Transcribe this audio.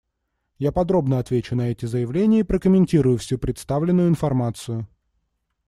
Я подробно отвечу на эти заявления и прокомментирую всю представленную информацию.